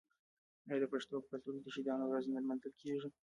آیا د پښتنو په کلتور کې د شهیدانو ورځ نه لمانځل کیږي؟